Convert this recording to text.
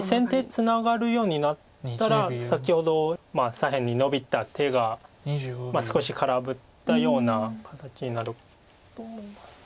ツナがるようになったら先ほど左辺にノビた手が少し空振ったような形になると思います。